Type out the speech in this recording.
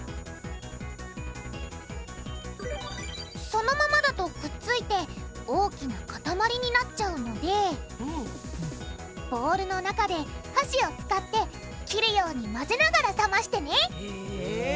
そのままだとくっついて大きなかたまりになっちゃうのでボウルの中ではしを使って切るように混ぜながら冷ましてねへぇ。